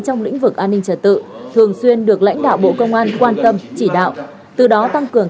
trong lĩnh vực an ninh trật tự thường xuyên được lãnh đạo bộ công an quan tâm chỉ đạo từ đó tăng cường